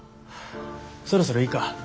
そろそろいいか？